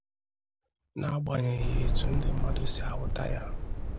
n'agbanyeghị etu ndị mmadụ si ahụta ya.